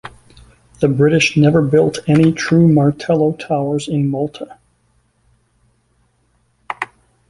The British never built any true Martello Towers in Malta.